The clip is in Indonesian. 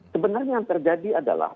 sebenarnya yang terjadi adalah